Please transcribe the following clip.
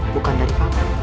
bukan dari kamu